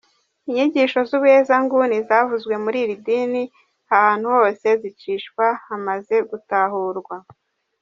Inyigisho z’ubuhezanguni zavuzwe muri iri dini ahantu hose zicishwa hamaze gutahurwa.